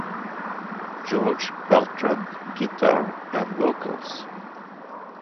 Jorge Beltran: Guitar and Vocals.